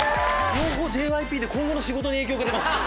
ＪＹＰで今後の仕事に影響が出ます。